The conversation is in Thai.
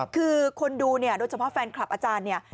คือคนดูเนี่ยโดยเฉพาะแฟนคลับอาจารย์เนี่ย